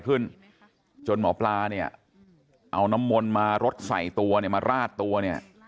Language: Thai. คนผลาเนี้ยเอาน้ำมนต์มารดใส่ตัวเนี้ยมาราดตัวเนี้ย